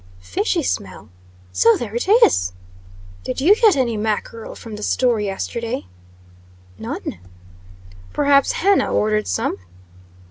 "Fishy smell! So there is." "Did you get any mackerel from the store yesterday?" "None." "Perhaps Hannah ordered some?"